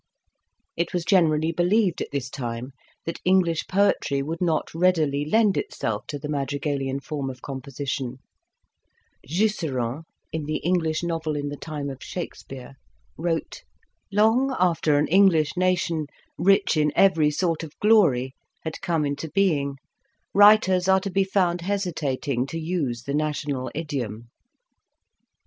It was generally believed at this time that English poetry would not readily lend itself to the madrigalian form of composition. Jusserand* wrote: "Long after an English nation, rich in every sort of glory, had come into being, writers are to be found hesitating to use the national idiom."